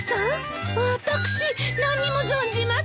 私何も存じません！